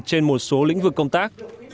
trên một số lĩnh vực công tác